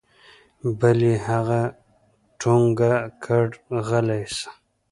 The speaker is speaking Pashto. بل يې هغه ټونګه کړ غلى سه.